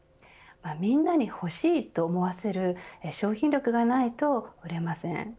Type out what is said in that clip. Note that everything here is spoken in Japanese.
みんなに欲しいと思わせる商品力がないと売れません。